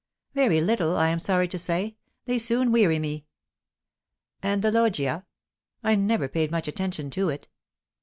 "Very little, I am sorry to say. They soon weary me." "And the Loggia?" "I never paid much attention to it."